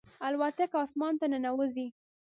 الوتکه اسمان ته ننوځي.